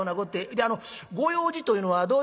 であのご用事というのはどういうこって？」。